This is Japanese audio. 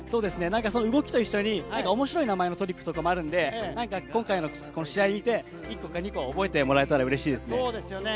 動きと一緒に面白い名前のトリックもあるので、この試合で１個か２個、覚えてもらえたらうれしいですね。